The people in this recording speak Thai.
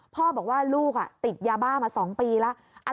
พ่อบอกว่าลูกติดยาบ้ามา๒ปีแล้ว